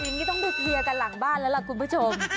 วันนี้ต้องเป็นเมียที่ไหนละล่ะคุณผู้ชม